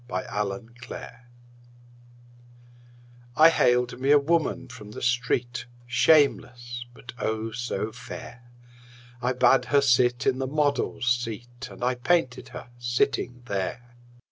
My Madonna I haled me a woman from the street, Shameless, but, oh, so fair! I bade her sit in the model's seat And I painted her sitting there.